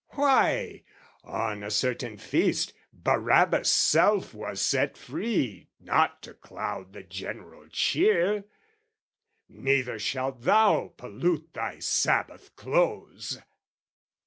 "Why, on a certain feast, Barabbas' self "Was set free not to cloud the general cheer. "Neither shalt thou pollute thy Sabbath close!